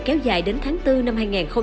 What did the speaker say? kéo dài đến tháng bốn năm hai nghìn hai mươi